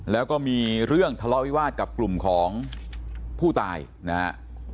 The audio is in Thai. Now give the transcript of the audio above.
แล้วก็มีเรื่องทะเลาะวิวาสกับกลุ่มของผู้ตายนะฮะ